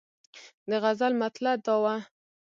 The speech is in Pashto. د غزل مطلع دا وه.